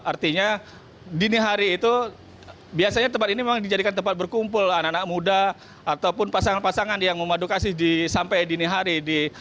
artinya dini hari itu biasanya tempat ini memang dijadikan tempat berkumpul anak anak muda ataupun pasangan pasangan yang memadukasi sampai dini hari